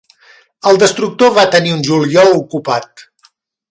El destructor va tenir un juliol ocupat.